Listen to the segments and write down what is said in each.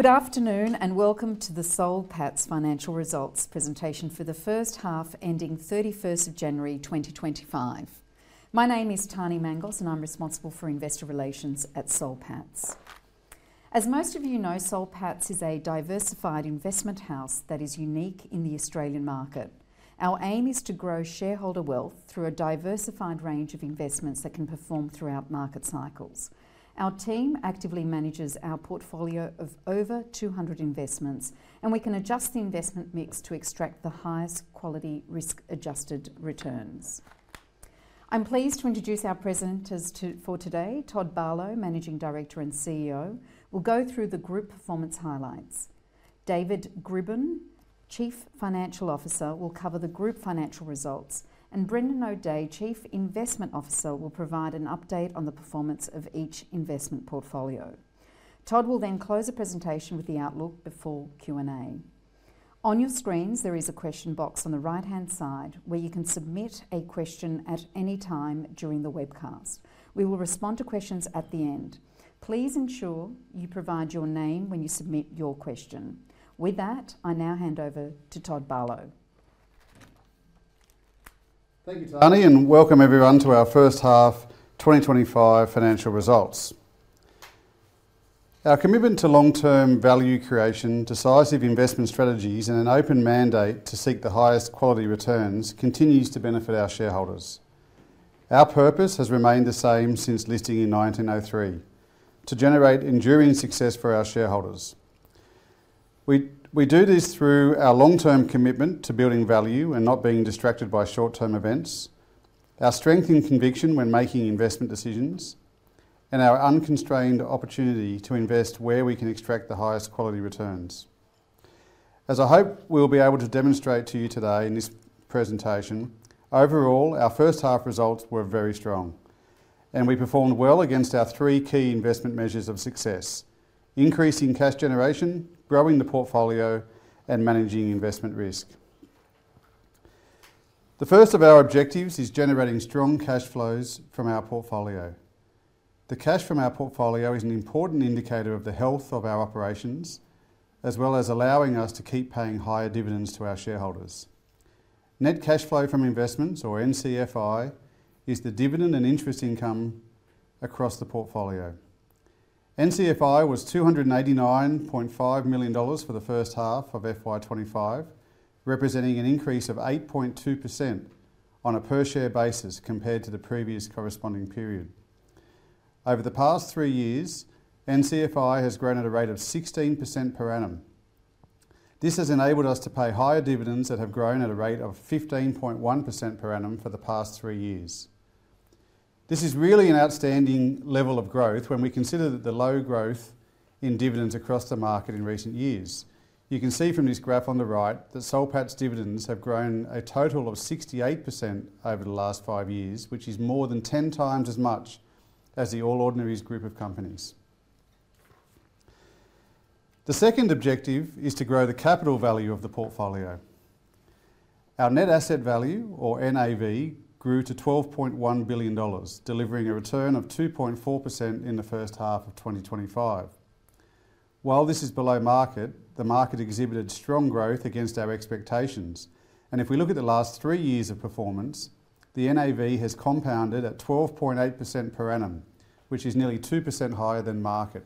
Good afternoon and welcome to the Soul Pattinson financial results presentation for the first half ending 31st of January 2025. My name is Tanny Mangos and I'm responsible for investor relations at Soul Pattinson. As most of you know, Soul Pattinson is a diversified investment house that is unique in the Australian market. Our aim is to grow shareholder wealth through a diversified range of investments that can perform throughout market cycles. Our team actively manages our portfolio of over 200 investments, and we can adjust the investment mix to extract the highest quality risk-adjusted returns. I'm pleased to introduce our presenters for today: Todd Barlow, Managing Director and CEO, will go through the group performance highlights. David Grbin, Chief Financial Officer, will cover the group financial results, and Brendan O'Dea, Chief Investment Officer, will provide an update on the performance of each investment portfolio. Todd will then close the presentation with the outlook before Q&A. On your screens, there is a question box on the right-hand side where you can submit a question at any time during the webcast. We will respond to questions at the end. Please ensure you provide your name when you submit your question. With that, I now hand over to Todd Barlow. Thank you, Tanny, and welcome everyone to our first half 2025 financial results. Our commitment to long-term value creation, decisive investment strategies, and an open mandate to seek the highest quality returns continues to benefit our shareholders. Our purpose has remained the same since listing in 1903: to generate enduring success for our shareholders. We do this through our long-term commitment to building value and not being distracted by short-term events, our strength and conviction when making investment decisions, and our unconstrained opportunity to invest where we can extract the highest quality returns. As I hope we'll be able to demonstrate to you today in this presentation, overall, our first half results were very strong, and we performed well against our three key investment measures of success: increasing cash generation, growing the portfolio, and managing investment risk. The first of our objectives is generating strong cash flows from our portfolio. The cash from our portfolio is an important indicator of the health of our operations, as well as allowing us to keep paying higher dividends to our shareholders. Net cash flow from investments, or NCFI, is the dividend and interest income across the portfolio. NCFI was 289.5 million dollars for the first half of FY25, representing an increase of 8.2% on a per-share basis compared to the previous corresponding period. Over the past three years, NCFI has grown at a rate of 16% per annum. This has enabled us to pay higher dividends that have grown at a rate of 15.1% per annum for the past three years. This is really an outstanding level of growth when we consider the low growth in dividends across the market in recent years. You can see from this graph on the right that Soul Pattinson's dividends have grown a total of 68% over the last five years, which is more than ten times as much as the All Ordinaries group of companies. The second objective is to grow the capital value of the portfolio. Our net asset value, or NAV, grew to 12.1 billion dollars, delivering a return of 2.4% in the first half of 2025. While this is below market, the market exhibited strong growth against our expectations, and if we look at the last three years of performance, the NAV has compounded at 12.8% per annum, which is nearly 2% higher than market.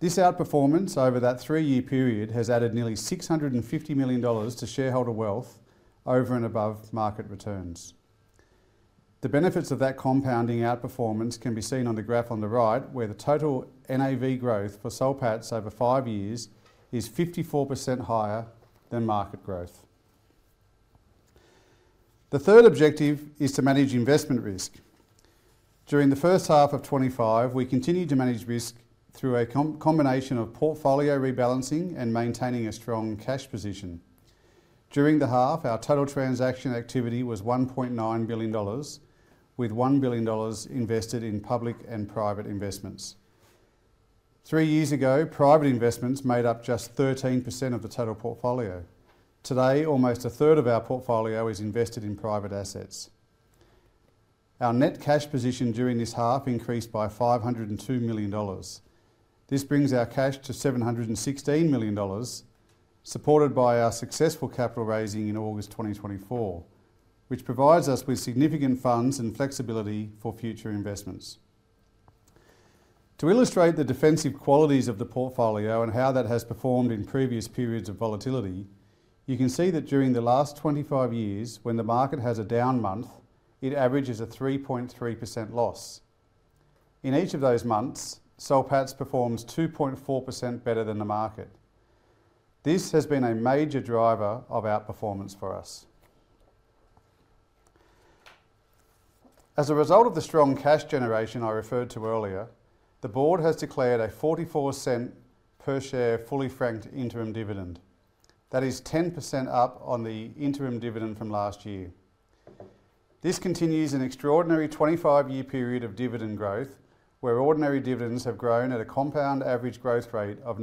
This outperformance over that three-year period has added nearly 650 million dollars to shareholder wealth over and above market returns. The benefits of that compounding outperformance can be seen on the graph on the right, where the total NAV growth for Soul Pattinson over five years is 54% higher than market growth. The third objective is to manage investment risk. During the first half of 2025, we continued to manage risk through a combination of portfolio rebalancing and maintaining a strong cash position. During the half, our total transaction activity was 1.9 billion dollars, with 1 billion dollars invested in public and private investments. Three years ago, private investments made up just 13% of the total portfolio. Today, almost a third of our portfolio is invested in private assets. Our net cash position during this half increased by 502 million dollars. This brings our cash to 716 million dollars, supported by our successful capital raising in August 2024, which provides us with significant funds and flexibility for future investments. To illustrate the defensive qualities of the portfolio and how that has performed in previous periods of volatility, you can see that during the last 25 years, when the market has a down month, it averages a 3.3% loss. In each of those months, Soul Pattinson performs 2.4% better than the market. This has been a major driver of our performance for us. As a result of the strong cash generation I referred to earlier, the board has declared an 0.44 per share fully franked interim dividend. That is 10% up on the interim dividend from last year. This continues an extraordinary 25-year period of dividend growth, where ordinary dividends have grown at a compound average growth rate of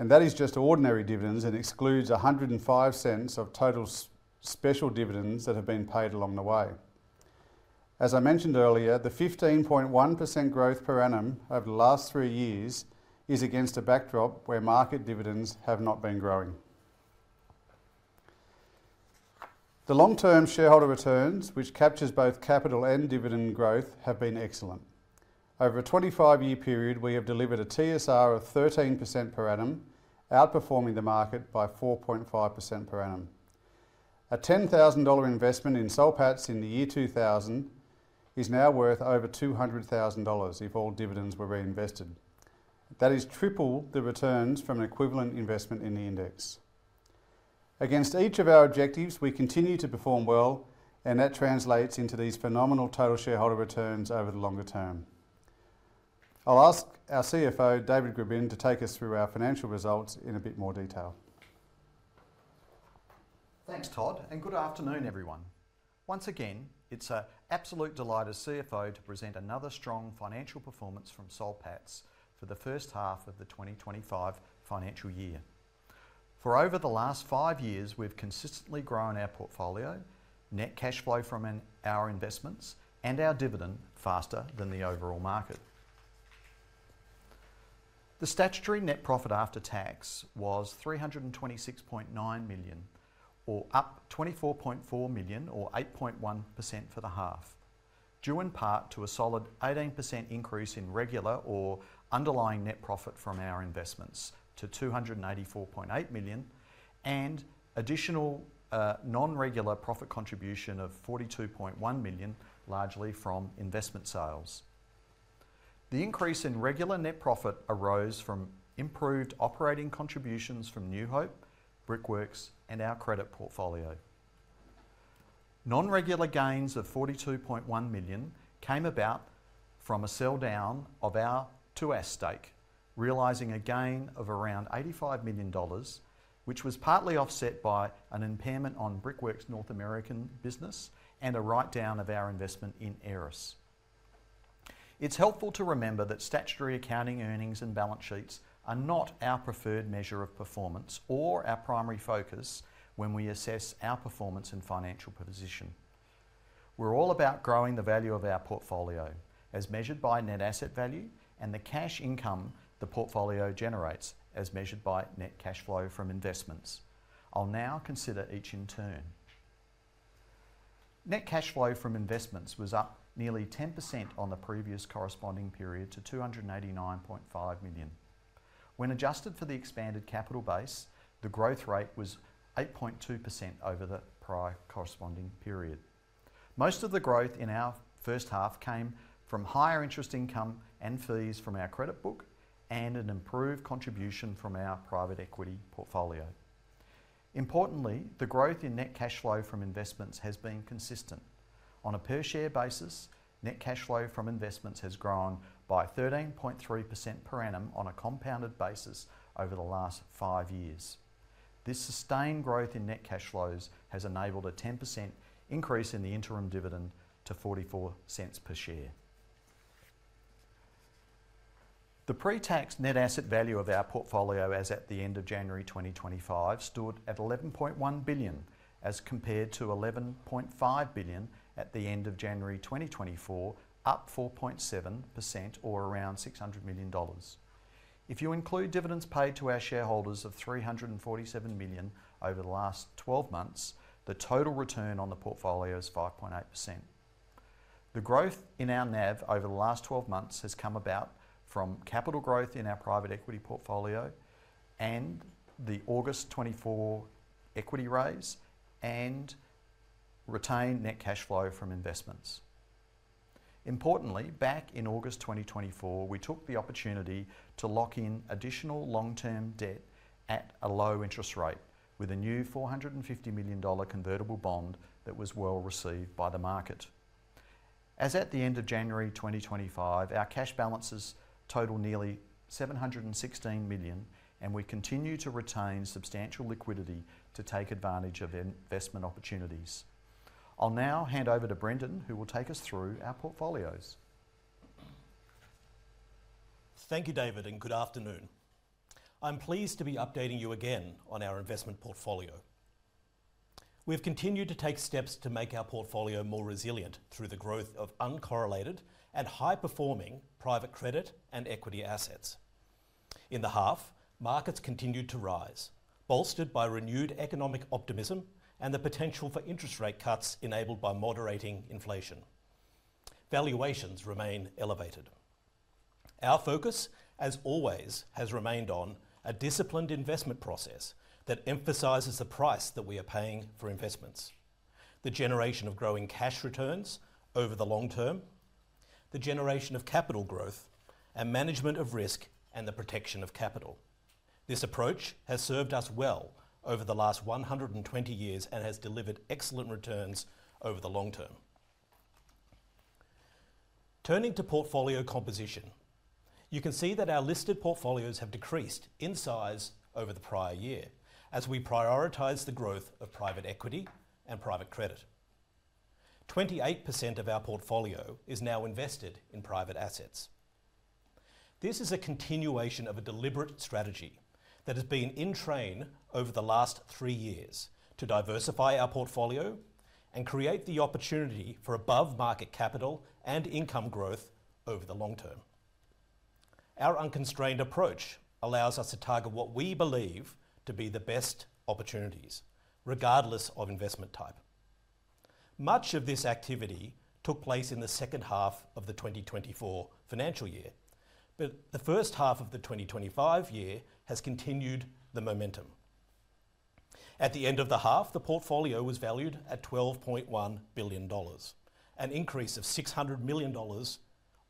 9.8%. That is just ordinary dividends and excludes 1.05 of total special dividends that have been paid along the way. As I mentioned earlier, the 15.1% growth per annum over the last three years is against a backdrop where market dividends have not been growing. The long-term shareholder returns, which captures both capital and dividend growth, have been excellent. Over a 25-year period, we have delivered a TSR of 13% per annum, outperforming the market by 4.5% per annum. A 10,000 dollar investment in Soul Pattinson in the year 2000 is now worth over 200,000 dollars if all dividends were reinvested. That is triple the returns from an equivalent investment in the index. Against each of our objectives, we continue to perform well, and that translates into these phenomenal total shareholder returns over the longer term. I'll ask our CFO, David Grbin, to take us through our financial results in a bit more detail. Thanks, Todd, and good afternoon, everyone. Once again, it's an absolute delight as CFO to present another strong financial performance from Soul Pattinson for the first half of the 2025 financial year. For over the last five years, we've consistently grown our portfolio, net cash flow from our investments, and our dividend faster than the overall market. The statutory net profit after tax was 326.9 million, or up 24.4 million, or 8.1% for the half, due in part to a solid 18% increase in regular or underlying net profit from our investments to 284.8 million and additional non-regular profit contribution of 42.1 million, largely from investment sales. The increase in regular net profit arose from improved operating contributions from New Hope, Brickworks, and our Credit portfolio. Non-regular gains of 42.1 million came about from a sell down of our Tuas stake, realizing a gain of around 85 million dollars, which was partly offset by an impairment on Brickworks North American business and a write-down of our investment in Aeris Resources Limited. It's helpful to remember that statutory accounting earnings and balance sheets are not our preferred measure of performance or our primary focus when we assess our performance and financial position. We're all about growing the value of our portfolio, as measured by net asset value and the cash income the portfolio generates, as measured by net cash flow from investments. I'll now consider each in turn. Net cash flow from investments was up nearly 10% on the previous corresponding period to 289.5 million. When adjusted for the expanded capital base, the growth rate was 8.2% over the prior corresponding period. Most of the growth in our first half came from higher interest income and fees from our credit book and an improved contribution from our Private Equity portfolio. Importantly, the growth in net cash flow from investments has been consistent. On a per-share basis, net cash flow from investments has grown by 13.3% per annum on a compounded basis over the last five years. This sustained growth in net cash flows has enabled a 10% increase in the interim dividend to 0.44 per share. The pre-tax net asset value of our portfolio as at the end of January 2025 stood at 11.1 billion, as compared to 11.5 billion at the end of January 2024, up 4.7%, or around 600 million dollars. If you include dividends paid to our shareholders of 347 million over the last 12 months, the total return on the portfolio is 5.8%. The growth in our NAV over the last 12 months has come about from capital growth in our Private Equity portfolio and the August 2024 equity raise and retained net cash flow from investments. Importantly, back in August 2024, we took the opportunity to lock in additional long-term debt at a low interest rate with a new 450 million dollar convertible bond that was well received by the market. As at the end of January 2025, our cash balances total nearly 716 million, and we continue to retain substantial liquidity to take advantage of investment opportunities. I'll now hand over to Brendan, who will take us through our portfolios. Thank you, David, and good afternoon. I'm pleased to be updating you again on our investment portfolio. We've continued to take steps to make our portfolio more resilient through the growth of uncorrelated and high-performing private credit and equity assets. In the half, markets continued to rise, bolstered by renewed economic optimism and the potential for interest rate cuts enabled by moderating inflation. Valuations remain elevated. Our focus, as always, has remained on a disciplined investment process that emphasizes the price that we are paying for investments, the generation of growing cash returns over the long term, the generation of capital growth, and management of risk and the protection of capital. This approach has served us well over the last 120 years and has delivered excellent returns over the long term. Turning to portfolio composition, you can see that our listed portfolios have decreased in size over the prior year as we prioritize the growth of Private Equity and private credit. 28% of our portfolio is now invested in private assets. This is a continuation of a deliberate strategy that has been in train over the last three years to diversify our portfolio and create the opportunity for above-market capital and income growth over the long term. Our unconstrained approach allows us to target what we believe to be the best opportunities, regardless of investment type. Much of this activity took place in the second half of the 2024 financial year, but the first half of the 2025 year has continued the momentum. At the end of the half, the portfolio was valued at 12.1 billion dollars, an increase of 600 million dollars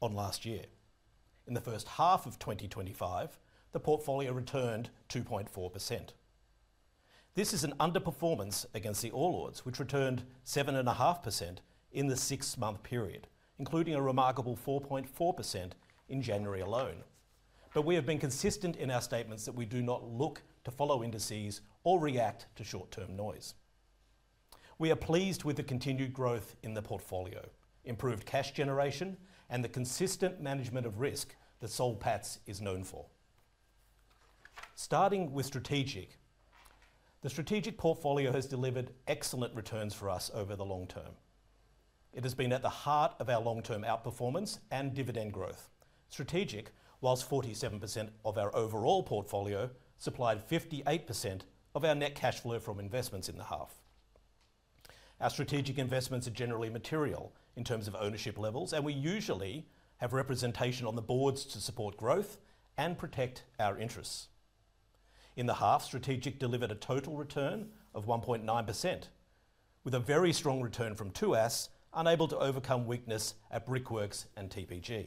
on last year. In the first half of 2025, the portfolio returned 2.4%. This is an underperformance against the All Ordinaries, which returned 7.5% in the six-month period, including a remarkable 4.4% in January alone. We have been consistent in our statements that we do not look to follow indices or react to short-term noise. We are pleased with the continued growth in the portfolio, improved cash generation, and the consistent management of risk that Soul Pattinson is known for. Starting with strategic, the strategic portfolio has delivered excellent returns for us over the long term. It has been at the heart of our long-term outperformance and dividend growth. Strategic, whilst 47% of our overall portfolio, supplied 58% of our net cash flow from investments in the half. Our strategic investments are generally material in terms of ownership levels, and we usually have representation on the boards to support growth and protect our interests. In the half, strategic delivered a total return of 1.9%, with a very strong return from Tuas, unable to overcome weakness at Brickworks and TPG.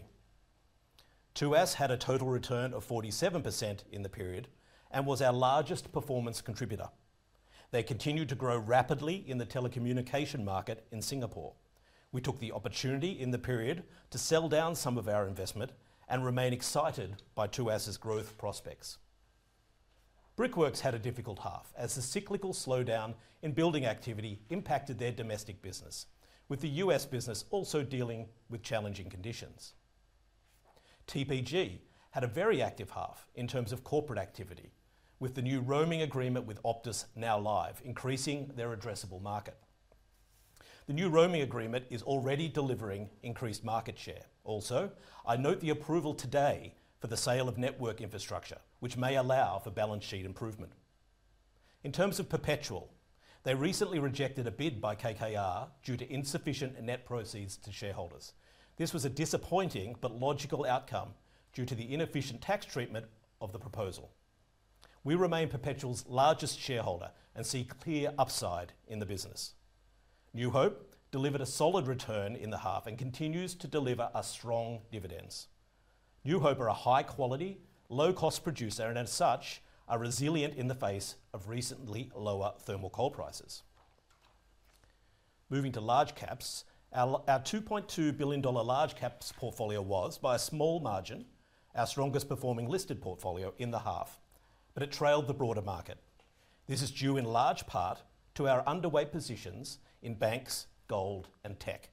Tuas had a total return of 47% in the period and was our largest performance contributor. They continued to grow rapidly in the telecommunication market in Singapore. We took the opportunity in the period to sell down some of our investment and remain excited by Tuas' growth prospects. Brickworks had a difficult half as the cyclical slowdown in building activity impacted their domestic business, with the US business also dealing with challenging conditions. TPG had a very active half in terms of corporate activity, with the new roaming agreement with Optus now live, increasing their addressable market. The new roaming agreement is already delivering increased market share. Also, I note the approval today for the sale of network infrastructure, which may allow for balance sheet improvement. In terms of Perpetual, they recently rejected a bid by KKR due to insufficient net proceeds to shareholders. This was a disappointing but logical outcome due to the inefficient tax treatment of the proposal. We remain Perpetual's largest shareholder and see clear upside in the business. New Hope delivered a solid return in the half and continues to deliver strong dividends. New Hope are a high-quality, low-cost producer and, as such, are resilient in the face of recently lower thermal coal prices. Moving to large caps, our 2.2 billion dollar large caps portfolio was, by a small margin, our strongest-performing listed portfolio in the half, but it trailed the broader market. This is due in large part to our underweight positions in banks, gold, and tech.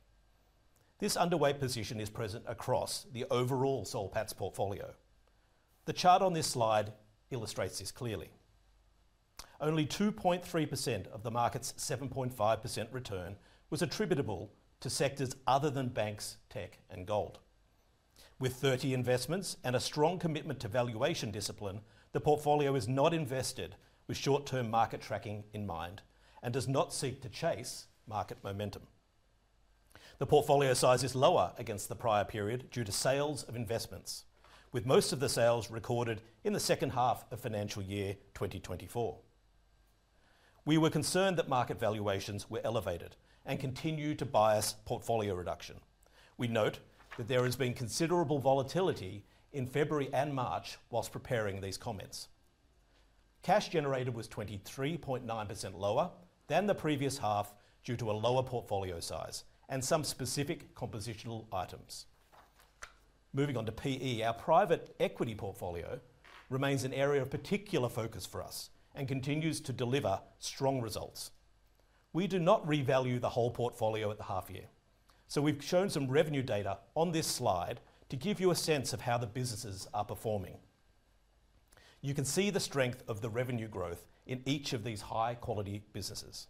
This underweight position is present across the overall Soul Pattinson portfolio. The chart on this slide illustrates this clearly. Only 2.3% of the market's 7.5% return was attributable to sectors other than banks, tech, and gold. With 30 investments and a strong commitment to valuation discipline, the portfolio is not invested with short-term market tracking in mind and does not seek to chase market momentum. The portfolio size is lower against the prior period due to sales of investments, with most of the sales recorded in the second half of financial year 2024. We were concerned that market valuations were elevated and continue to bias portfolio reduction. We note that there has been considerable volatility in February and March whilst preparing these comments. Cash generated was 23.9% lower than the previous half due to a lower portfolio size and some specific compositional items. Moving on to PE, our Private Equity portfolio remains an area of particular focus for us and continues to deliver strong results. We do not revalue the whole portfolio at the half year, so we've shown some revenue data on this slide to give you a sense of how the businesses are performing. You can see the strength of the revenue growth in each of these high-quality businesses.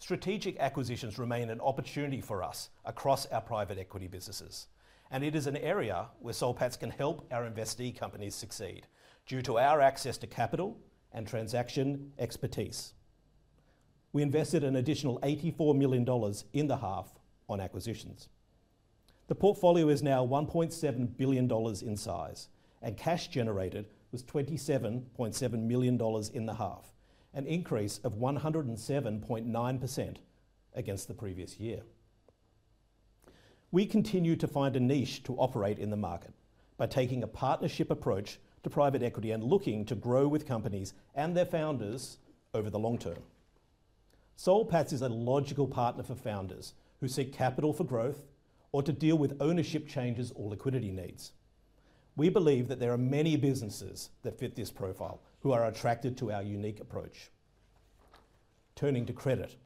Strategic acquisitions remain an opportunity for us across our Private Equity businesses, and it is an area where Soul Pattinson can help our investee companies succeed due to our access to capital and transaction expertise. We invested an additional 84 million dollars in the half on acquisitions. The portfolio is now 1.7 billion dollars in size, and cash generated was 27.7 million dollars in the half, an increase of 107.9% against the previous year. We continue to find a niche to operate in the market by taking a partnership approach to Private Equity and looking to grow with companies and their founders over the long term. Soul Pattinson is a logical partner for founders who seek capital for growth or to deal with ownership changes or liquidity needs. We believe that there are many businesses that fit this profile who are attracted to our unique approach. Turning to credit,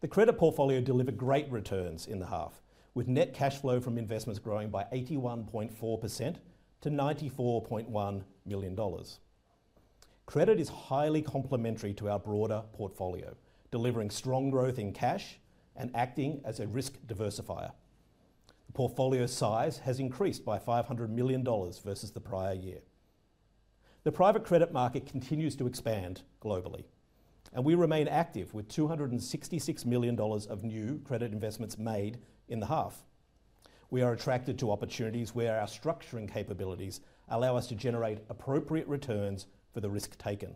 the credit portfolio delivered great returns in the half, with net cash flow from investments growing by 81.4% to 94.1 million dollars. Credit is highly complementary to our broader portfolio, delivering strong growth in cash and acting as a risk diversifier. The portfolio size has increased by $500 million versus the prior year. The private credit market continues to expand globally, and we remain active with $266 million of new credit investments made in the half. We are attracted to opportunities where our structuring capabilities allow us to generate appropriate returns for the risk taken.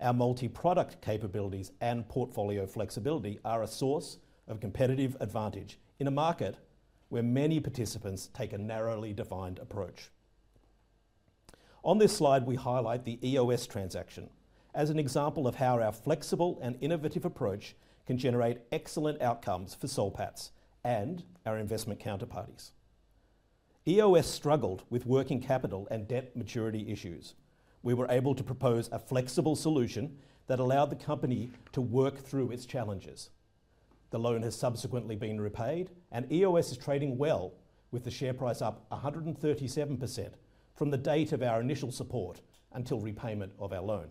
Our multi-product capabilities and portfolio flexibility are a source of competitive advantage in a market where many participants take a narrowly defined approach. On this slide, we highlight the EOS transaction as an example of how our flexible and innovative approach can generate excellent outcomes for Soul Pattinson and our investment counterparties. EOS struggled with working capital and debt maturity issues. We were able to propose a flexible solution that allowed the company to work through its challenges. The loan has subsequently been repaid, and EOS is trading well, with the share price up 137% from the date of our initial support until repayment of our loan.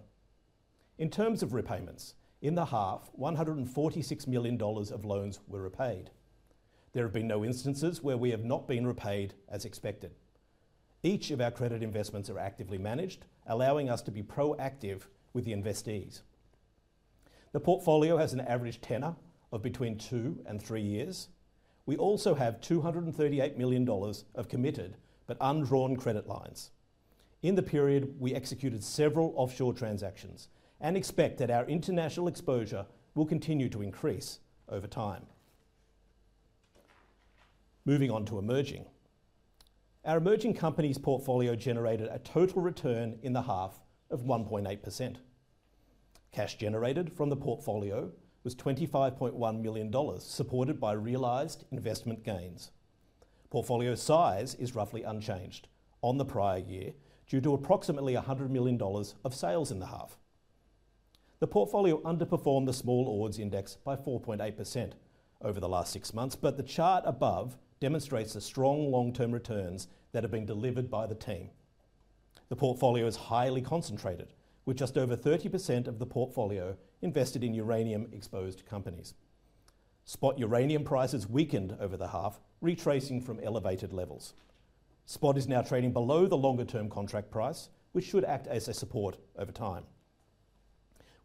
In terms of repayments, in the half, 146 million dollars of loans were repaid. There have been no instances where we have not been repaid as expected. Each of our credit investments are actively managed, allowing us to be proactive with the investees. The portfolio has an average tenor of between two and three years. We also have 238 million dollars of committed but undrawn credit lines. In the period, we executed several offshore transactions and expect that our international exposure will continue to increase over time. Moving on to emerging, our emerging companies portfolio generated a total return in the half of 1.8%. Cash generated from the portfolio was 25.1 million dollars, supported by realized investment gains. Portfolio size is roughly unchanged on the prior year due to approximately 100 million dollars of sales in the half. The portfolio underperformed the All Ordinaries index by 4.8% over the last six months, but the chart above demonstrates the strong long-term returns that have been delivered by the team. The portfolio is highly concentrated, with just over 30% of the portfolio invested in uranium-exposed companies. Spot uranium prices weakened over the half, retracing from elevated levels. Spot is now trading below the longer-term contract price, which should act as a support over time.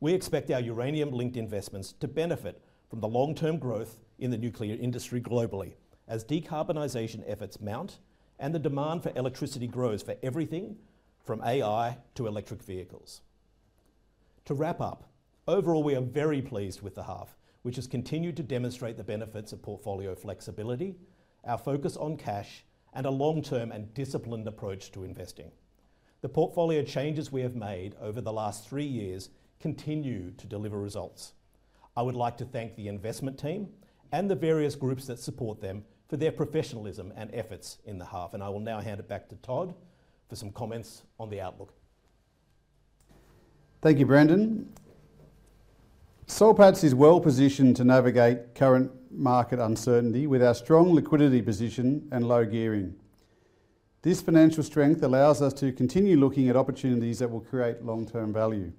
We expect our uranium-linked investments to benefit from the long-term growth in the nuclear industry globally as decarbonization efforts mount and the demand for electricity grows for everything from AI to electric vehicles. To wrap up, overall, we are very pleased with the half, which has continued to demonstrate the benefits of portfolio flexibility, our focus on cash, and a long-term and disciplined approach to investing. The portfolio changes we have made over the last three years continue to deliver results. I would like to thank the investment team and the various groups that support them for their professionalism and efforts in the half, and I will now hand it back to Todd for some comments on the outlook. Thank you, Brendan. Soul Pattinson is well positioned to navigate current market uncertainty with our strong liquidity position and low gearing. This financial strength allows us to continue looking at opportunities that will create long-term value.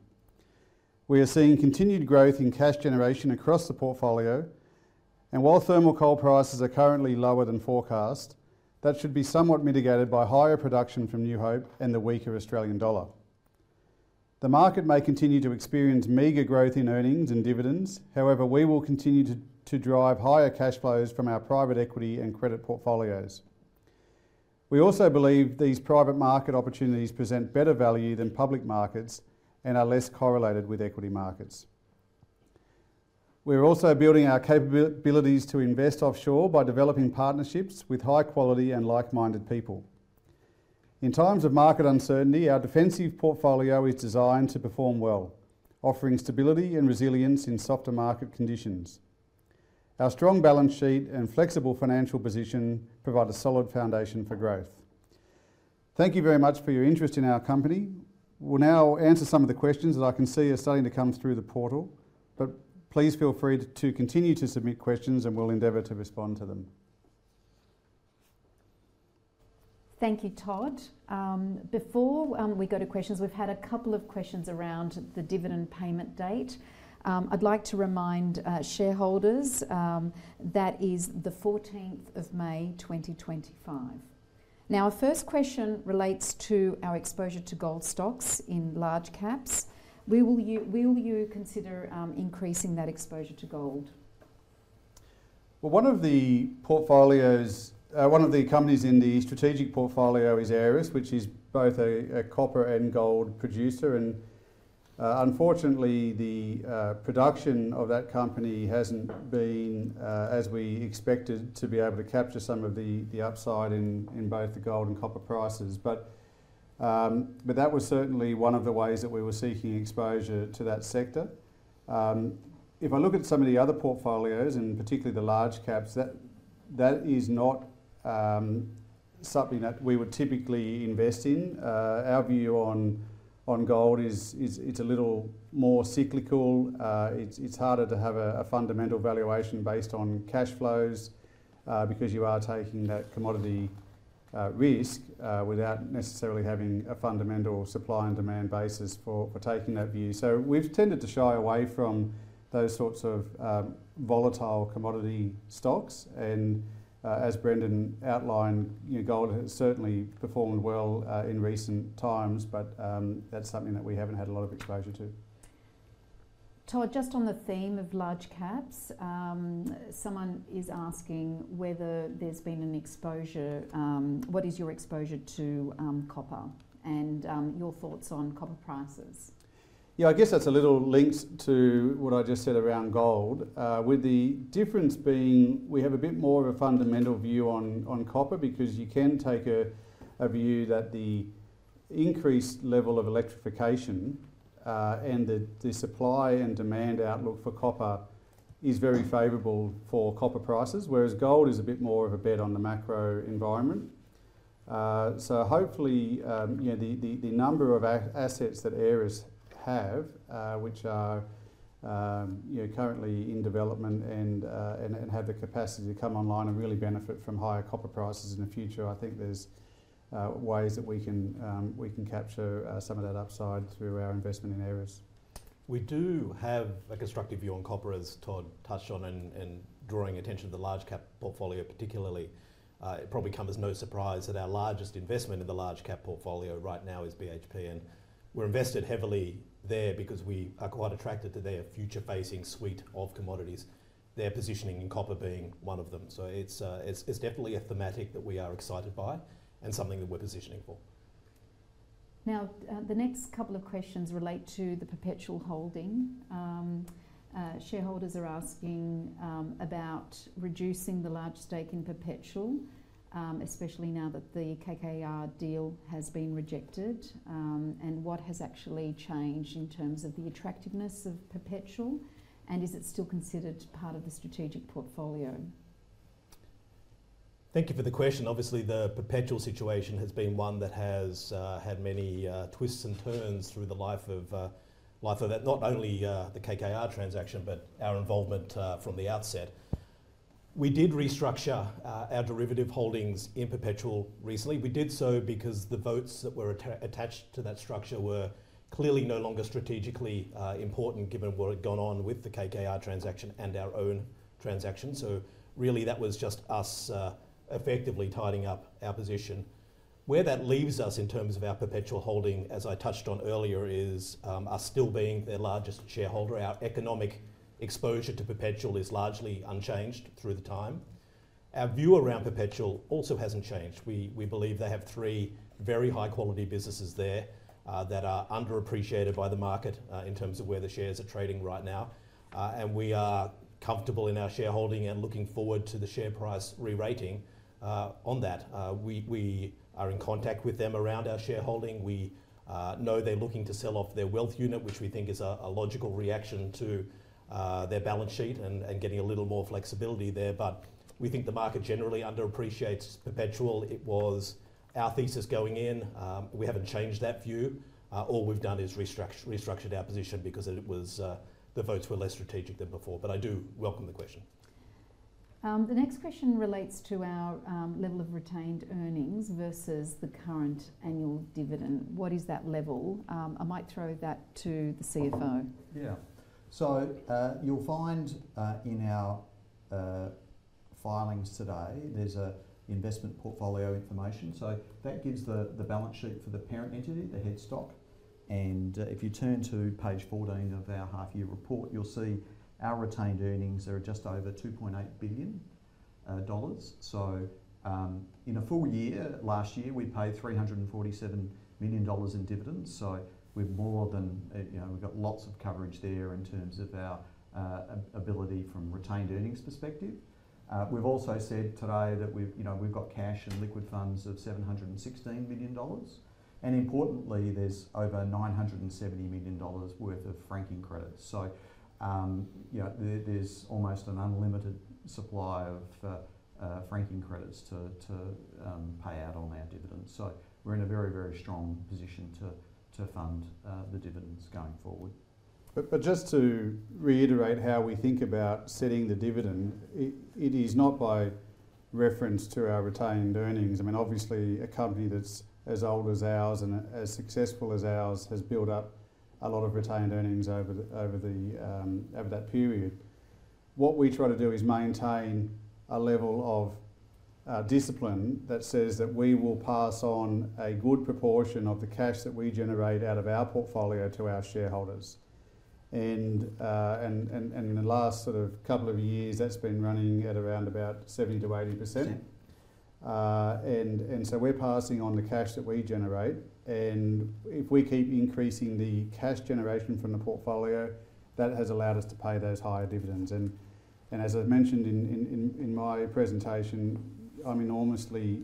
We are seeing continued growth in cash generation across the portfolio, and while thermal coal prices are currently lower than forecast, that should be somewhat mitigated by higher production from New Hope and the weaker Australian dollar. The market may continue to experience meager growth in earnings and dividends. However, we will continue to drive higher cash flows from our Private Equity and credit portfolios. We also believe these private market opportunities present better value than public markets and are less correlated with equity markets. We are also building our capabilities to invest offshore by developing partnerships with high-quality and like-minded people. In times of market uncertainty, our defensive portfolio is designed to perform well, offering stability and resilience in softer market conditions. Our strong balance sheet and flexible financial position provide a solid foundation for growth. Thank you very much for your interest in our company. We'll now answer some of the questions that I can see are starting to come through the portal, but please feel free to continue to submit questions, and we'll endeavor to respond to them. Thank you, Todd. Before we go to questions, we've had a couple of questions around the dividend payment date. I'd like to remind shareholders that is the 14th of May, 2025. Now, our first question relates to our exposure to gold stocks in large caps. Will you consider increasing that exposure to gold? One of the portfolios, one of the companies in the strategic portfolio is Aeris, which is both a copper and gold producer. Unfortunately, the production of that company hasn't been as we expected to be able to capture some of the upside in both the gold and copper prices. That was certainly one of the ways that we were seeking exposure to that sector. If I look at some of the other portfolios, and particularly the large caps, that is not something that we would typically invest in. Our view on gold is it's a little more cyclical. It's harder to have a fundamental valuation based on cash flows because you are taking that commodity risk without necessarily having a fundamental supply and demand basis for taking that view. We have tended to shy away from those sorts of volatile commodity stocks. As Brendan outlined, gold has certainly performed well in recent times, but that's something that we haven't had a lot of exposure to. Todd, just on the theme of large caps, someone is asking whether there's been an exposure. What is your exposure to copper and your thoughts on copper prices? Yeah, I guess that's a little linked to what I just said around gold, with the difference being we have a bit more of a fundamental view on copper because you can take a view that the increased level of electrification and the supply and demand outlook for copper is very favorable for copper prices, whereas gold is a bit more of a bet on the macro environment. Hopefully, the number of assets that Aeris have, which are currently in development and have the capacity to come online and really benefit from higher copper prices in the future, I think there's ways that we can capture some of that upside through our investment in Aeris. We do have a constructive view on copper, as Todd touched on, and drawing attention to the large cap portfolio particularly. It probably comes as no surprise that our largest investment in the large cap portfolio right now is BHP, and we're invested heavily there because we are quite attracted to their future-facing suite of commodities, their positioning in copper being one of them. It's definitely a thematic that we are excited by and something that we're positioning for. The next couple of questions relate to the Perpetual holding. Shareholders are asking about reducing the large stake in Perpetual, especially now that the KKR deal has been rejected. What has actually changed in terms of the attractiveness of Perpetual, and is it still considered part of the strategic portfolio? Thank you for the question. Obviously, the Perpetual situation has been one that has had many twists and turns through the life of not only the KKR transaction, but our involvement from the outset. We did restructure our derivative holdings in Perpetual recently. We did so because the votes that were attached to that structure were clearly no longer strategically important given what had gone on with the KKR transaction and our own transaction. That was just us effectively tidying up our position. Where that leaves us in terms of our Perpetual holding, as I touched on earlier, is us still being their largest shareholder. Our economic exposure to Perpetual is largely unchanged through the time. Our view around Perpetual also has not changed. We believe they have three very high-quality businesses there that are underappreciated by the market in terms of where the shares are trading right now. We are comfortable in our shareholding and looking forward to the share price re-rating on that. We are in contact with them around our shareholding. We know they're looking to sell off their wealth unit, which we think is a logical reaction to their balance sheet and getting a little more flexibility there. We think the market generally underappreciates Perpetual. It was our thesis going in. We haven't changed that view. All we've done is restructured our position because the votes were less strategic than before. I do welcome the question. The next question relates to our level of retained earnings versus the current annual dividend. What is that level? I might throw that to the CFO. Yeah. You'll find in our filings today, there's investment portfolio information. That gives the balance sheet for the parent entity, the headstock. If you turn to page 14 of our half-year report, you'll see our retained earnings are just over 2.8 billion dollars. In a full year last year, we paid 347 million dollars in dividends. We have more than, we have lots of coverage there in terms of our ability from a retained earnings perspective. We have also said today that we have cash and liquid funds of 716 million dollars. Importantly, there is over 970 million dollars worth of franking credits. There is almost an unlimited supply of franking credits to pay out on our dividends. We are in a very, very strong position to fund the dividends going forward. Just to reiterate how we think about setting the dividend, it is not by reference to our retained earnings. I mean, obviously, a company that is as old as ours and as successful as ours has built up a lot of retained earnings over that period. What we try to do is maintain a level of discipline that says that we will pass on a good proportion of the cash that we generate out of our portfolio to our shareholders. In the last sort of couple of years, that's been running at around about 70% to 80%. We are passing on the cash that we generate. If we keep increasing the cash generation from the portfolio, that has allowed us to pay those higher dividends. As I mentioned in my presentation, I'm enormously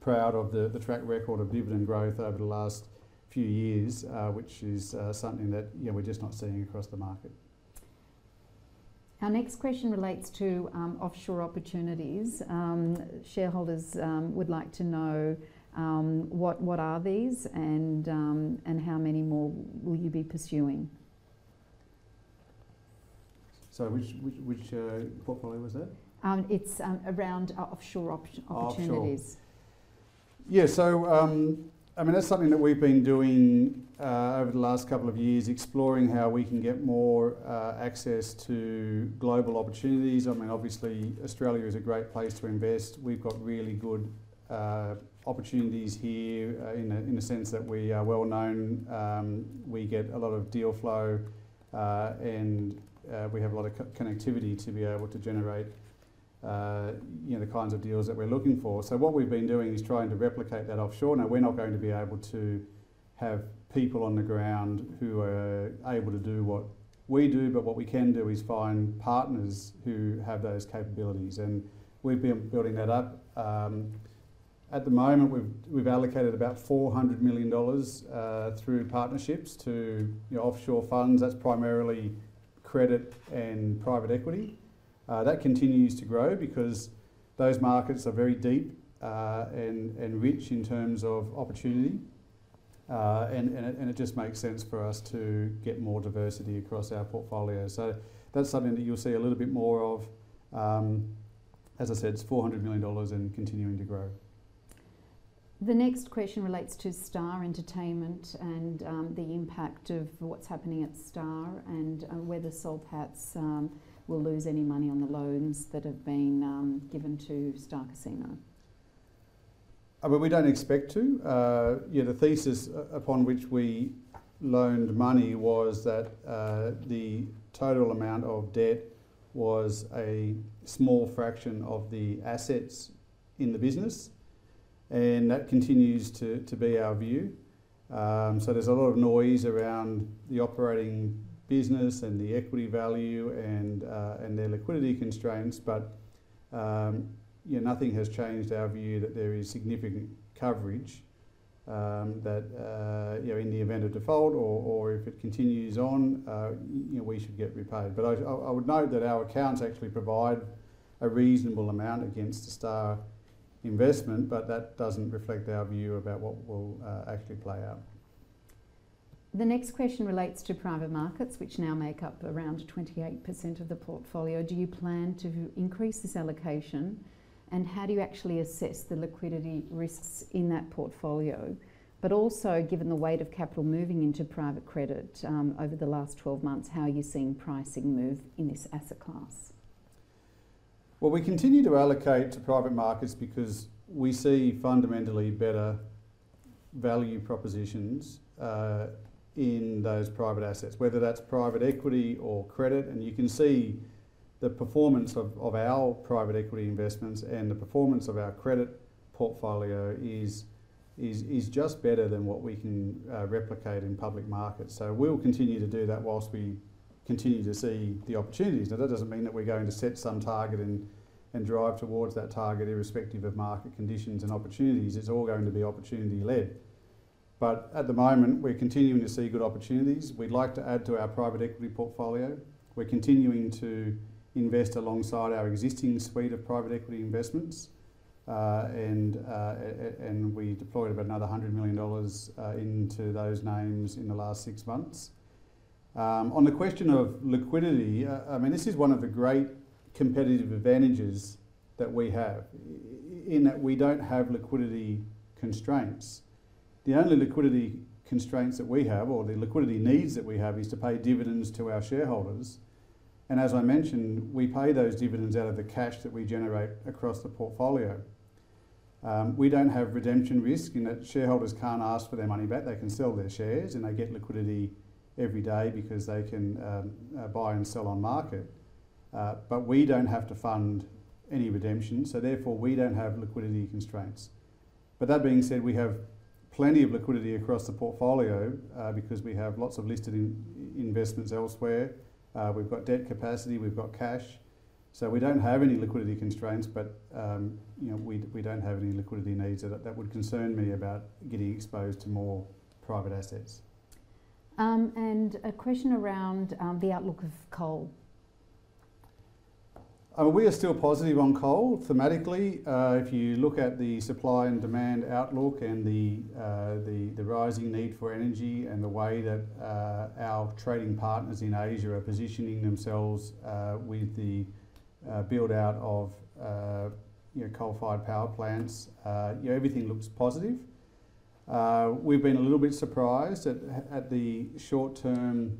proud of the track record of dividend growth over the last few years, which is something that we're just not seeing across the market. Our next question relates to offshore opportunities. Shareholders would like to know what are these and how many more will you be pursuing? Sorry, which portfolio was that? It's around offshore opportunities. That's something that we've been doing over the last couple of years, exploring how we can get more access to global opportunities. I mean, obviously, Australia is a great place to invest. We've got really good opportunities here in the sense that we are well known. We get a lot of deal flow, and we have a lot of connectivity to be able to generate the kinds of deals that we're looking for. What we've been doing is trying to replicate that offshore. Now, we're not going to be able to have people on the ground who are able to do what we do, but what we can do is find partners who have those capabilities. We've been building that up. At the moment, we've allocated about 400 million dollars through partnerships to offshore funds. That's primarily credit and Private Equity. That continues to grow because those markets are very deep and rich in terms of opportunity. It just makes sense for us to get more diversity across our portfolio. That is something that you'll see a little bit more of. As I said, it's 400 million dollars and continuing to grow. The next question relates to Star Entertainment and the impact of what's happening at Star and whether Soul Pattinson will lose any money on the loans that have been given to Star Casino? We do not expect to. The thesis upon which we loaned money was that the total amount of debt was a small fraction of the assets in the business. That continues to be our view. There is a lot of noise around the operating business and the equity value and their liquidity constraints. Nothing has changed our view that there is significant coverage that in the event of default or if it continues on, we should get repaid. I would note that our accounts actually provide a reasonable amount against the Star investment, but that does not reflect our view about what will actually play out. The next question relates to private markets, which now make up around 28% of the portfolio. Do you plan to increase this allocation? How do you actually assess the liquidity risks in that portfolio? Also, given the weight of capital moving into private credit over the last 12 months, how are you seeing pricing move in this asset class? We continue to allocate to private markets because we see fundamentally better value propositions in those private assets, whether that is Private Equity or credit. You can see the performance of our Private Equity investments and the performance of our credit portfolio is just better than what we can replicate in public markets. We will continue to do that whilst we continue to see the opportunities. Now, that does not mean that we are going to set some target and drive towards that target irrespective of market conditions and opportunities. It is all going to be opportunity-led. At the moment, we are continuing to see good opportunities. We would like to add to our Private Equity portfolio. We are continuing to invest alongside our existing suite of Private Equity investments. We deployed about another 100 million dollars into those names in the last six months. On the question of liquidity, I mean, this is one of the great competitive advantages that we have in that we do not have liquidity constraints. The only liquidity constraints that we have or the liquidity needs that we have is to pay dividends to our shareholders. As I mentioned, we pay those dividends out of the cash that we generate across the portfolio. We do not have redemption risk in that shareholders cannot ask for their money back. They can sell their shares, and they get liquidity every day because they can buy and sell on market. We do not have to fund any redemption. Therefore, we do not have liquidity constraints. That being said, we have plenty of liquidity across the portfolio because we have lots of listed investments elsewhere. We have debt capacity. We have cash. We do not have any liquidity constraints, and we do not have any liquidity needs that would concern me about getting exposed to more private assets. A question around the outlook of coal. We are still positive on coal thematically. If you look at the supply and demand outlook and the rising need for energy and the way that our trading partners in Asia are positioning themselves with the build-out of coal-fired power plants, everything looks positive. We've been a little bit surprised at the short-term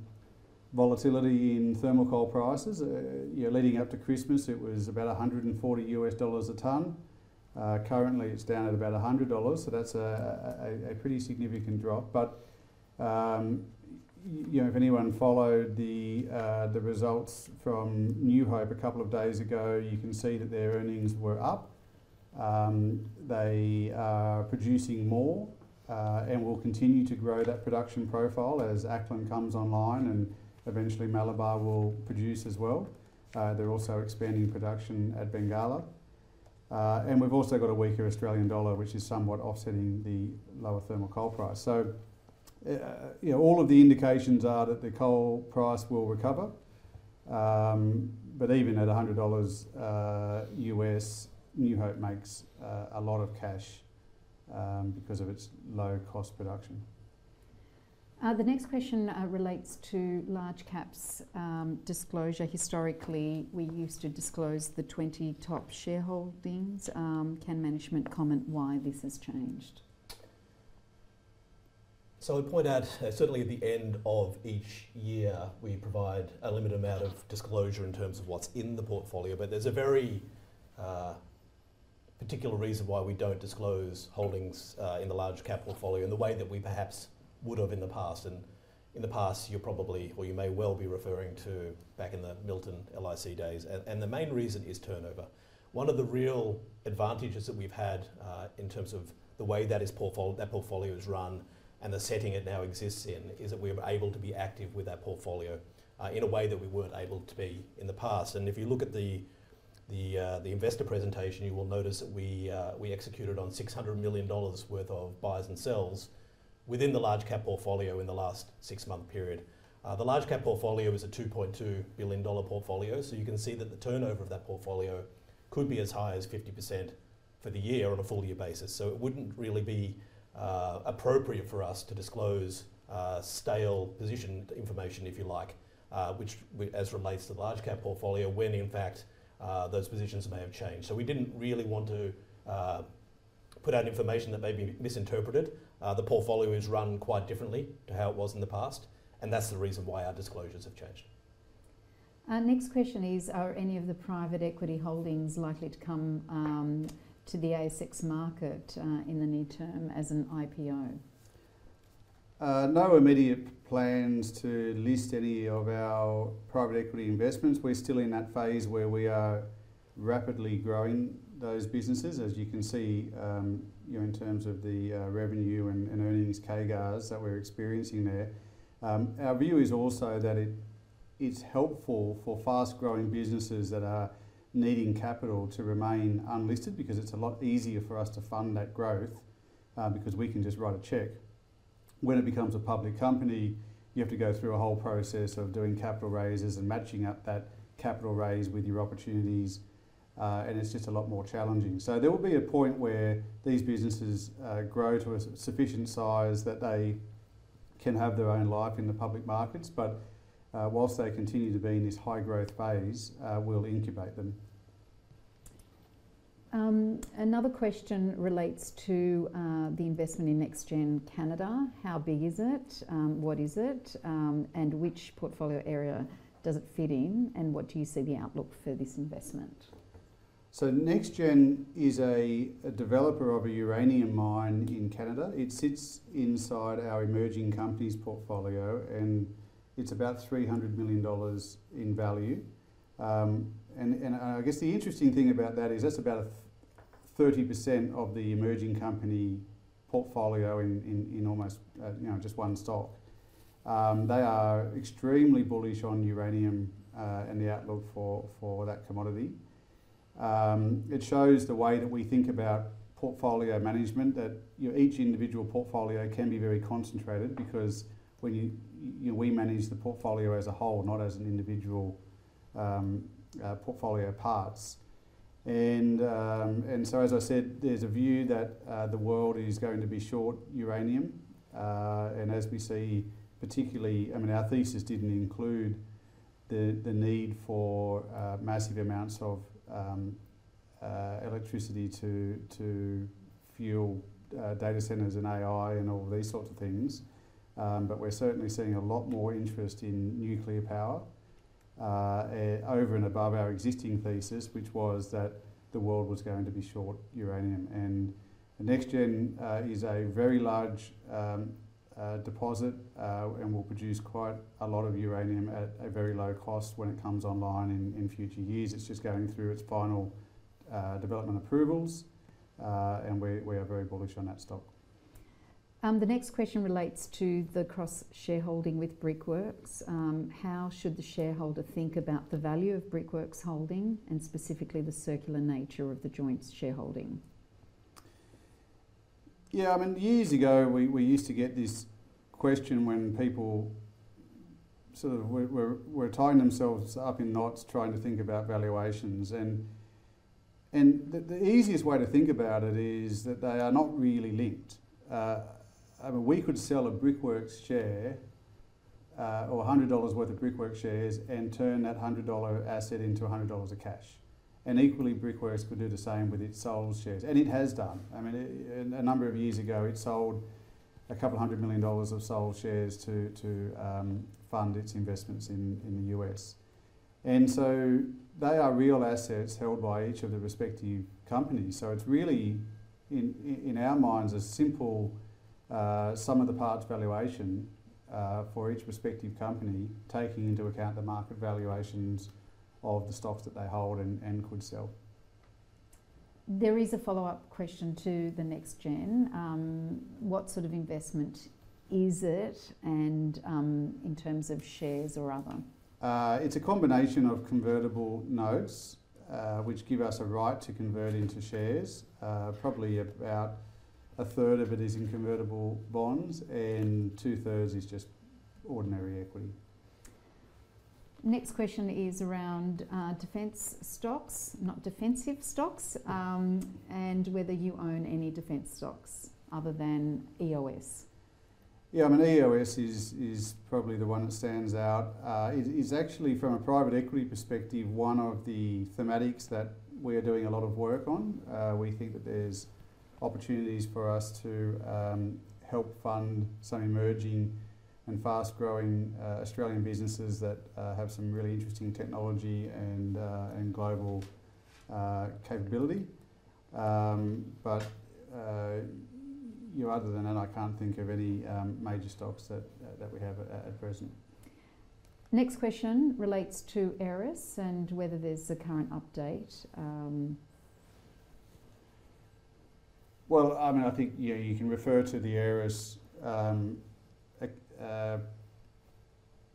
volatility in thermal coal prices. Leading up to Christmas, it was about $140 a tonne. Currently, it's down at about $100. That is a pretty significant drop. If anyone followed the results from New Hope a couple of days ago, you can see that their earnings were up. They are producing more and will continue to grow that production profile as Acland comes online and eventually Malabar will produce as well. They are also expanding production at Bengalla. We have also got a weaker Australian dollar, which is somewhat offsetting the lower thermal coal price. All of the indications are that the coal price will recover. Even at $100 US, New Hope makes a lot of cash because of its low-cost production. The next question relates to large caps disclosure. Historically, we used to disclose the 20 top shareholdings. Can management comment why this has changed? I would point out, certainly at the end of each year, we provide a limited amount of disclosure in terms of what is in the portfolio. There is a very particular reason why we do not disclose holdings in the large cap portfolio in the way that we perhaps would have in the past. In the past, you are probably or you may well be referring to back in the Milton LIC days. The main reason is turnover. One of the real advantages that we've had in terms of the way that portfolio is run and the setting it now exists in is that we were able to be active with that portfolio in a way that we weren't able to be in the past. If you look at the investor presentation, you will notice that we executed on $600 million worth of buys and sells within the large cap portfolio in the last six-month period. The large cap portfolio is a $2.2 billion portfolio. You can see that the turnover of that portfolio could be as high as 50% for the year on a full-year basis. It wouldn't really be appropriate for us to disclose stale position information, if you like, as relates to the large cap portfolio when, in fact, those positions may have changed. We did not really want to put out information that may be misinterpreted. The portfolio is run quite differently to how it was in the past. That is the reason why our disclosures have changed. Our next question is, are any of the Private Equity holdings likely to come to the ASX market in the near term as an IPO? No immediate plans to list any of our Private Equity investments. We are still in that phase where we are rapidly growing those businesses, as you can see in terms of the revenue and earnings CAGRs that we are experiencing there. Our view is also that it is helpful for fast-growing businesses that are needing capital to remain unlisted because it is a lot easier for us to fund that growth because we can just write a check. When it becomes a public company, you have to go through a whole process of doing capital raises and matching up that capital raise with your opportunities. It's just a lot more challenging. There will be a point where these businesses grow to a sufficient size that they can have their own life in the public markets. Whilst they continue to be in this high-growth phase, we'll incubate them. Another question relates to the investment in NexGen Canada. How big is it? What is it? Which portfolio area does it fit in? What do you see the outlook for this investment? NexGen is a developer of a uranium mine in Canada. It sits inside our emerging companies portfolio, and it's about 300 million dollars in value. I guess the interesting thing about that is that's about 30% of the emerging company portfolio in almost just one stock. They are extremely bullish on uranium and the outlook for that commodity. It shows the way that we think about portfolio management, that each individual portfolio can be very concentrated because we manage the portfolio as a whole, not as individual portfolio parts. As I said, there's a view that the world is going to be short uranium. As we see, particularly, I mean, our thesis didn't include the need for massive amounts of electricity to fuel data centers and AI and all these sorts of things. We are certainly seeing a lot more interest in nuclear power over and above our existing thesis, which was that the world was going to be short uranium. NexGen is a very large deposit and will produce quite a lot of uranium at a very low cost when it comes online in future years. It's just going through its final development approvals. We are very bullish on that stock. The next question relates to the cross-shareholding with Brickworks. How should the shareholder think about the value of Brickworks holding and specifically the circular nature of the joint shareholding? Years ago, we used to get this question when people sort of were tying themselves up in knots trying to think about valuations. The easiest way to think about it is that they are not really linked. I mean, we could sell a Brickworks share or 100 dollars worth of Brickworks shares and turn that 100 dollar asset into 100 dollars of cash. Equally, Brickworks could do the same with its Soul shares. It has done. I mean, a number of years ago, it sold a couple of hundred million dollars of Soul shares to fund its investments in the US. They are real assets held by each of the respective companies. It is really, in our minds, a simple sum of the parts valuation for each respective company taking into account the market valuations of the stocks that they hold and could sell. There is a follow-up question to the NexGen. What sort of investment is it? In terms of shares or other? It is a combination of convertible notes, which give us a right to convert into shares. Probably about a third of it is in convertible bonds and two-thirds is just ordinary equity. Next question is around defense stocks, not defensive stocks, and whether you own any defense stocks other than EOS. EOS is probably the one that stands out. It's actually, from a Private Equity perspective, one of the thematics that we are doing a lot of work on. We think that there's opportunities for us to help fund some emerging and fast-growing Australian businesses that have some really interesting technology and global capability. Other than that, I can't think of any major stocks that we have at present. The next question relates to Aeris and whether there's a current update. I think you can refer to the Aeris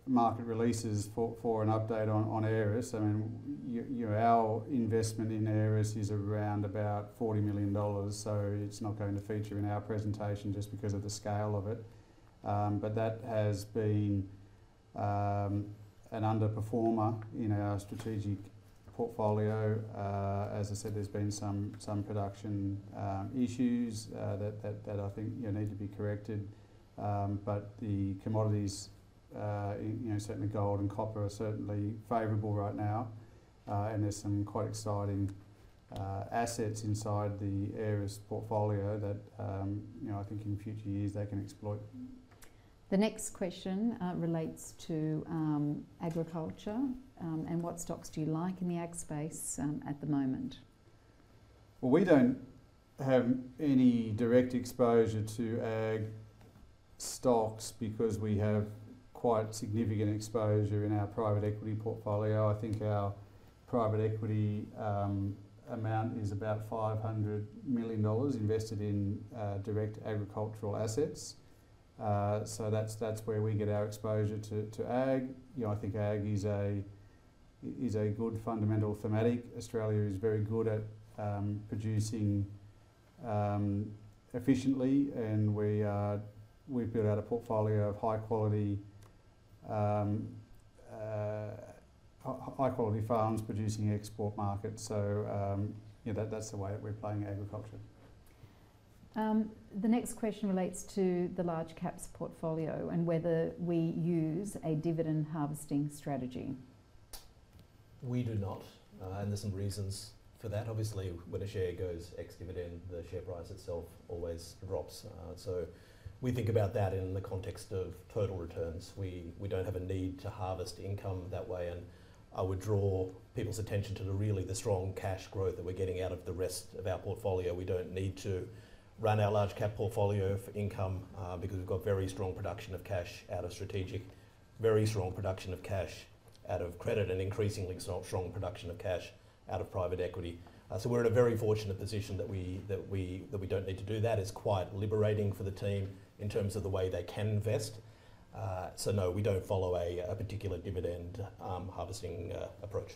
market releases for an update on Aeris. I mean, our investment in Aeris is around about 40 million dollars. It's not going to feature in our presentation just because of the scale of it. That has been an underperformer in our strategic portfolio. As I said, there's been some production issues that I think need to be corrected. The commodities, certainly gold and copper, are certainly favorable right now. There's some quite exciting assets inside the Aeris portfolio that I think in future years they can exploit. The next question relates to agriculture. What stocks do you like in the ag space at the moment? We don't have any direct exposure to ag stocks because we have quite significant exposure in our Private Equity portfolio. I think our Private Equity amount is about 500 million dollars invested in direct agricultural assets. That's where we get our exposure to ag. I think ag is a good fundamental thematic. Australia is very good at producing efficiently. We've built out a portfolio of high-quality farms producing export markets. That's the way that we're playing agriculture. The next question relates to the large caps portfolio and whether we use a dividend harvesting strategy. We do not. There are some reasons for that. Obviously, when a share goes ex-dividend, the share price itself always drops. We think about that in the context of total returns. We do not have a need to harvest income that way. I would draw people's attention to really the strong cash growth that we are getting out of the rest of our portfolio. We do not need to run our large cap portfolio for income because we have very strong production of cash out of strategic, very strong production of cash out of credit, and increasingly strong production of cash out of Private Equity. We are in a very fortunate position that we do not need to do that. It is quite liberating for the team in terms of the way they can invest. No, we don't follow a particular dividend harvesting approach.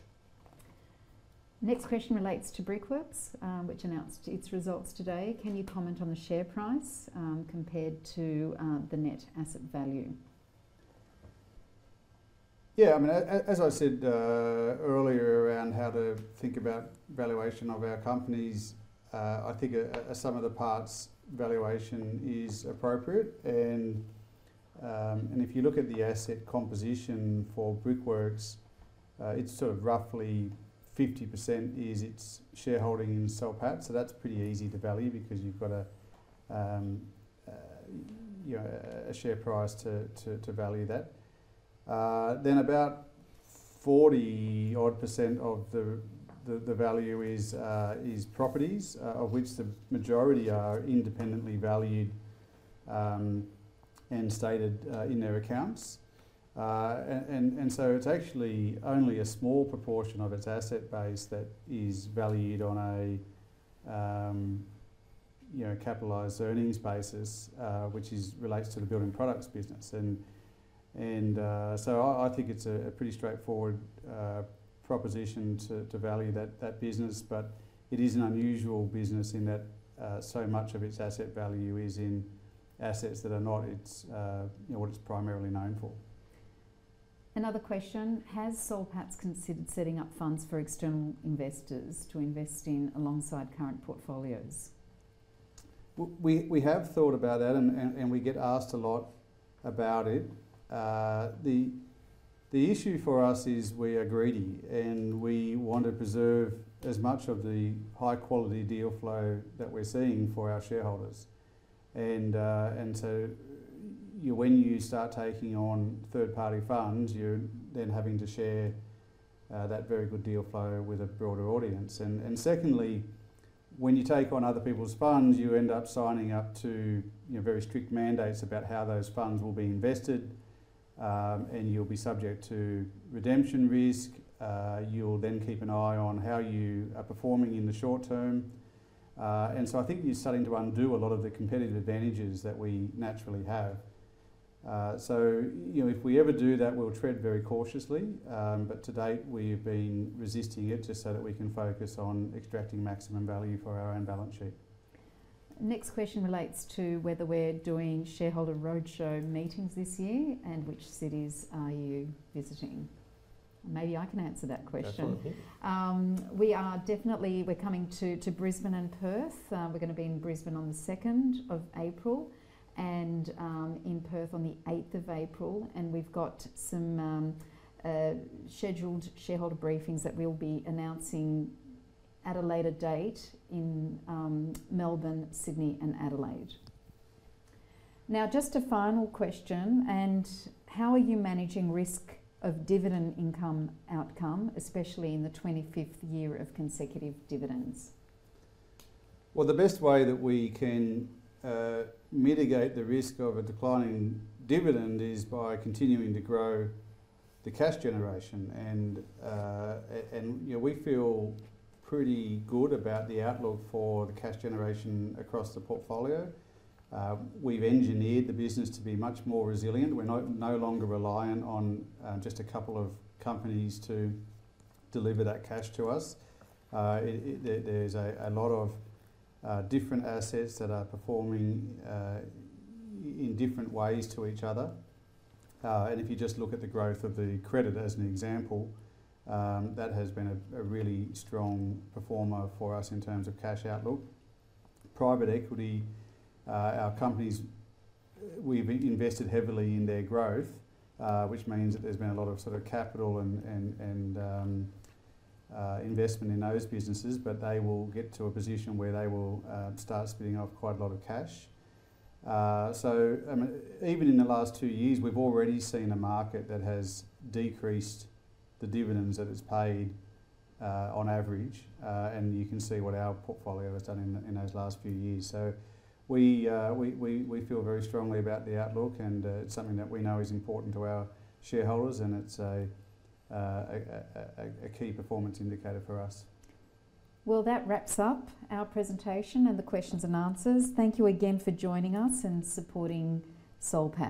The next question relates to Brickworks, which announced its results today. Can you comment on the share price compared to the net asset value? I said earlier around how to think about valuation of our companies, I think sum of the parts valuation is appropriate. If you look at the asset composition for Brickworks, it's sort of roughly 50% is its shareholding in Soul Pattinson. That's pretty easy to value because you've got a share price to value that. Then about 40-odd % of the value is properties, of which the majority are independently valued and stated in their accounts. It's actually only a small proportion of its asset base that is valued on a capitalised earnings basis, which relates to the building products business. I think it's a pretty straightforward proposition to value that business. It is an unusual business in that so much of its asset value is in assets that are not what it's primarily known for. Another question. Has Soul Pattinson considered setting up funds for external investors to invest in alongside current portfolios? We have thought about that. We get asked a lot about it. The issue for us is we are greedy. We want to preserve as much of the high-quality deal flow that we're seeing for our shareholders. When you start taking on third-party funds, you're then having to share that very good deal flow with a broader audience. Secondly, when you take on other people's funds, you end up signing up to very strict mandates about how those funds will be invested. You'll be subject to redemption risk. You'll then keep an eye on how you are performing in the short term. I think you're starting to undo a lot of the competitive advantages that we naturally have. If we ever do that, we'll tread very cautiously. To date, we've been resisting it just so that we can focus on extracting maximum value for our own balance sheet. Next question relates to whether we're doing shareholder roadshow meetings this year and which cities are you visiting. Maybe I can answer that question. We are definitely coming to Brisbane and Perth. We're going to be in Brisbane on the 2nd of April and in Perth on the 8th of April. We've got some scheduled shareholder briefings that we'll be announcing at a later date in Melbourne, Sydney, and Adelaide. Now, just a final question. How are you managing risk of dividend income-outcome, especially in the 25th year of consecutive dividends? The best way that we can mitigate the risk of a declining dividend is by continuing to grow the cash generation. We feel pretty good about the outlook for the cash generation across the portfolio. We have engineered the business to be much more resilient. We are no longer reliant on just a couple of companies to deliver that cash to us. There are a lot of different assets that are performing in different ways to each other. If you just look at the growth of the credit as an example, that has been a really strong performer for us in terms of cash outlook. Private equity, our companies, we have invested heavily in their growth, which means that there has been a lot of sort of capital and investment in those businesses. They will get to a position where they will start spinning off quite a lot of cash. Even in the last two years, we've already seen a market that has decreased the dividends that it's paid on average. You can see what our portfolio has done in those last few years. We feel very strongly about the outlook. It's something that we know is important to our shareholders. It's a key performance indicator for us. That wraps up our presentation and the questions and answers. Thank you again for joining us and supporting Soul Pattinson.